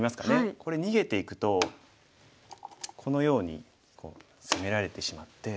これ逃げていくとこのように攻められてしまって。